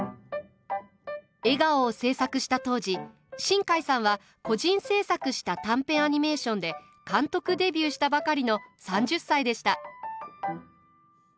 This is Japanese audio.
「笑顔」を制作した当時新海さんは個人制作した短編アニメーションで監督デビューしたばかりの３０歳でした。